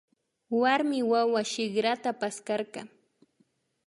Warmi wawa shikrata paskarka